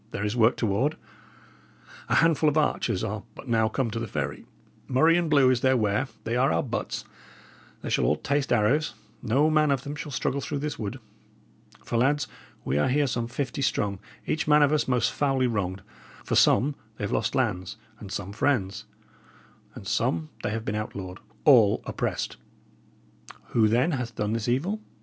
"There is work toward. A handful of archers are but now come to the ferry; murrey and blue is their wear; they are our butts they shall all taste arrows no man of them shall struggle through this wood. For, lads, we are here some fifty strong, each man of us most foully wronged; for some they have lost lands, and some friends; and some they have been outlawed all oppressed! Who, then, hath done this evil?